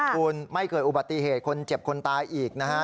คุณไม่เกิดอุบัติเหตุคนเจ็บคนตายอีกนะฮะ